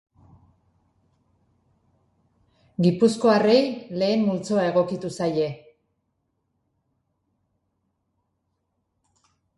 Gipuzkoarrei lehen multzoa egokitu zaie.